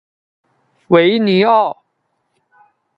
维尼奥。